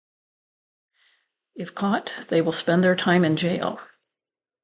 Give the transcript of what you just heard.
If caught, they will spend their time in Jail.